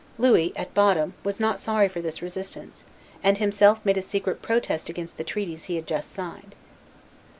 Louis, at bottom, was not sorry for this resistance, and himself made a secret protest against the treaties he had just signed.